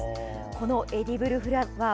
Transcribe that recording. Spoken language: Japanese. このエディブルフラワー